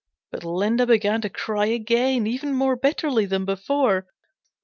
But Linda began to cry again, even more bitterly than before.